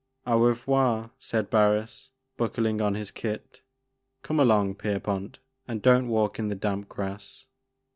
" Au revoir," said Barris, buckling on his kit, ''come along, Pierpont, and don't walk in the damp grass."